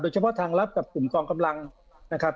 เฉพาะทางลับกับกลุ่มกองกำลังนะครับ